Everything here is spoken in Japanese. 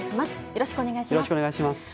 よろしくお願いします。